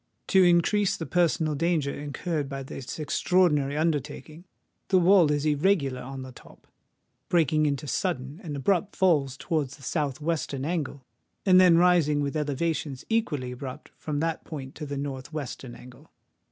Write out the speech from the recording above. To increase the personal danger incurred by this extraordinary undertaking, the wall is irregular on the top, breaking into sudden and abrupt falls towards the south western angle, and then rising with elevations equally abrupt from that point to the north western angle.